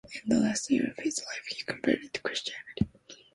In the last year of his life, he converted to Christianity.